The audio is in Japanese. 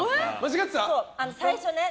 最初ね。